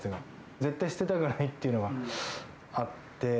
絶対捨てたくないというのがあって。